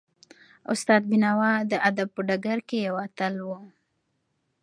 استاد بینوا د ادب په ډګر کې یو اتل و.